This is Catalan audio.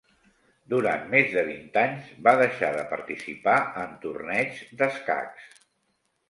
Durant més de vint anys va deixar de participar en torneigs d'escacs.